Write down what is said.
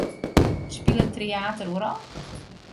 Spilet Tryater oeral?